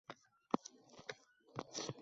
Mehnat tarbiyasi esa shaxs kamoloti.